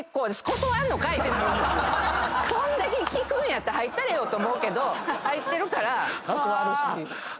そんだけ聞くんやったら入ったれよと思うけど入ってるから断るし。